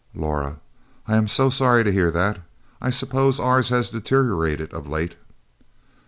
Laura "I am sorry to hear that. I suppose ours has deteriorated of late."